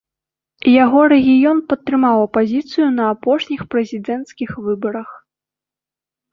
Яго рэгіён падтрымаў апазіцыю на апошніх прэзідэнцкіх выбарах.